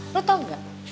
lo tau gak